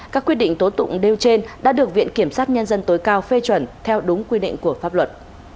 các quyết định tố tụng nêu trên đã được viện kiểm sát nhân dân tối cao phê chuẩn theo đúng quy định của pháp luật